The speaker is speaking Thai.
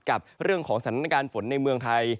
กับเรื่องของสถานการณ์ฝนในเมืองไทย